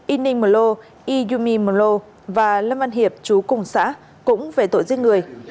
ynning mô lô yumi mô lô và lâm văn hiệp chú cùng xã cũng về tội giết người